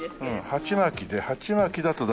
鉢巻きで鉢巻きだと大丈夫。